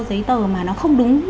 giấy tờ mà nó không đúng